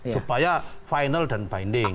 supaya final dan binding